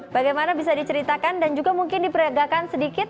bagaimana bisa diceritakan dan juga mungkin diperagakan sedikit